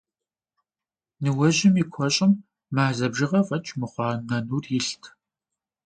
Ныуэжьым и куэщӀым мазэ бжыгъэ фӀэкӀ мыхъуа нэнур илът.